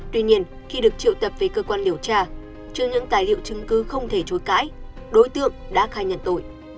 tuy nhiên khi được triệu tập về cơ quan điều tra trước những tài liệu chứng cứ không thể chối cãi đối tượng đã khai nhận tội